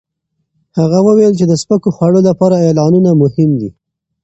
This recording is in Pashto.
هغه وویل چې د سپکو خوړو لپاره اعلانونه مهم دي.